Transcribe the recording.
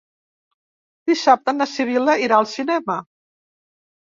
Dissabte na Sibil·la irà al cinema.